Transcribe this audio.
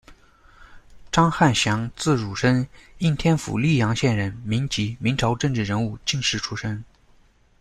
张翰翔，字汝升，应天府溧阳县人，民籍，明朝政治人物、进士出身。